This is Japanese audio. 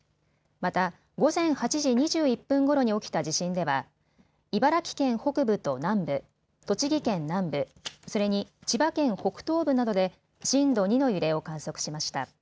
また、午前８時２１分ごろに起きた地震では茨城県北部と南部、栃木県南部、それに千葉県の北東部などで震度２の揺れを観測しました。